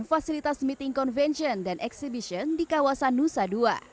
fasilitas meeting convention dan exhibition di kawasan nusa dua